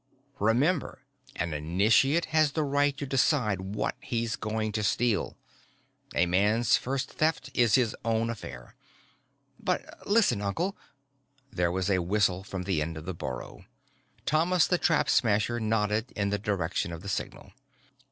Remember, an initiate has the right to decide what he's going to steal. A man's first Theft is his own affair." "But, listen, uncle " There was a whistle from the end of the burrow. Thomas the Trap Smasher nodded in the direction of the signal.